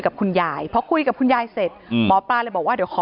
กับคุณยายพอคุยกับคุณยายเสร็จหมอปลาเลยบอกว่าเดี๋ยวขอ